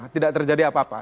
tidak terjadi apa apa